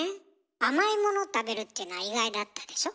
甘いもの食べるっていうのは意外だったでしょ。